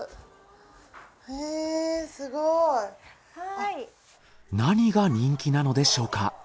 すごい。何が人気なのでしょうか？